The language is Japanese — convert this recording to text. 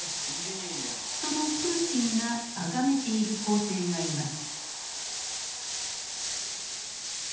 そのプーチンがあがめている皇帝がいます。